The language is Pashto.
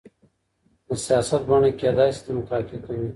د سياست بڼه کيدای سي ډيموکراټيکه وي.